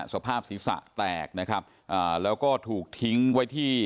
สภาพศีรษะแตกนะครับอ่าแล้วก็ถูกทิ้งไว้ที่